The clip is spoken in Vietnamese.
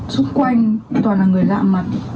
xung quanh toàn là người lạ mặt